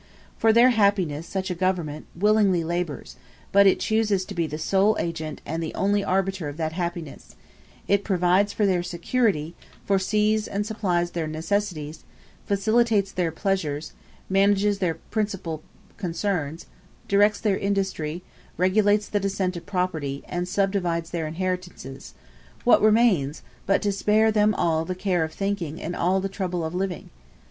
For their happiness such a government willingly labors, but it chooses to be the sole agent and the only arbiter of that happiness: it provides for their security, foresees and supplies their necessities, facilitates their pleasures, manages their principal concerns, directs their industry, regulates the descent of property, and subdivides their inheritances what remains, but to spare them all the care of thinking and all the trouble of living?